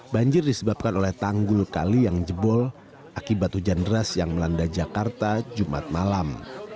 banjir disebabkan oleh tanggul kali yang jebol akibat hujan deras yang melanda jakarta jumat malam